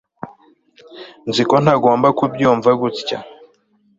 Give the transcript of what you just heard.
nzi ko ntagomba kubyumva gutya